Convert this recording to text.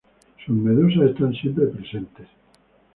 Sus medusas están siempre presentes.